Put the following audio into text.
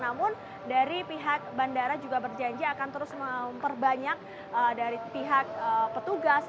namun dari pihak bandara juga berjanji akan terus memperbanyak dari pihak petugas